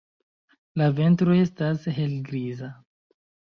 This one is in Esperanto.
La ventro estas helgriza.